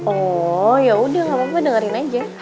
oh yaudah gapapa dengerin aja